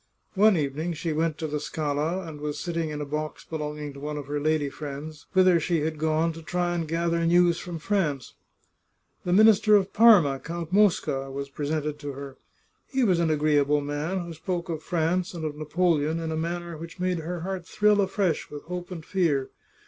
One evening she went to the Scala, and was sitting in a box belonging to one of her lady friends, whither she had gone to try and gather news from France. The Minister of Parma, Count Mosca, was presented to her. He was an agreeable man, who spoke of France and of Napoleon in a manner which made her heart thrill afresh with hope and fear.